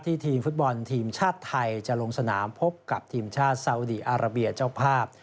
ทีมฟุตบอลทีมชาติไทยจะลงสนามพบกับทีมชาติซาวดีอาราเบียเจ้าภาพ